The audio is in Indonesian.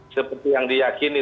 seperti yang diyakini